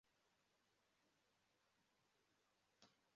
Umugore w'umuzungu asomera igitabo abana b'abirabura